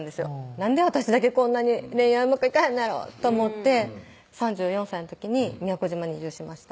なんで私だけこんなに恋愛うまくいかへんのやろと思って３４歳の時に宮古島に移住しました